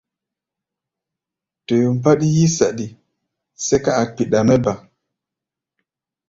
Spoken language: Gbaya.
Toyo mbáɗí yí-saɗi, sɛ́ka a̧ kpiɗa mɛ́ ba.